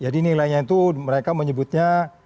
jadi nilainya itu mereka menyebutnya